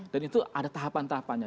dan itu ada tahapan tahapannya